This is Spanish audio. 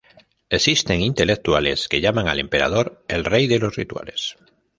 Existen intelectuales que llaman al emperador ""el Rey de los Rituales"".